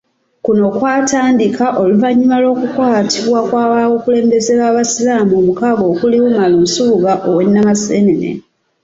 Kuno kwatandika oluvanyuma lw'okukwatibwa kw'abakulembeze b'abasiraamu omukaaga okuli, Umaru Nsubuga ow'e Namaseenene.